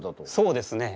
そうですね。